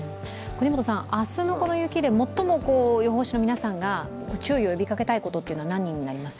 明日のこの雪で最も予報士の皆さんが注意を呼びかけたいことというのは何になりますか。